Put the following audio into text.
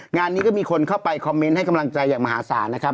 งานนี้ก็มีคนเข้าไปคอมเมนต์ให้กำลังใจอย่างมหาศาลนะครับ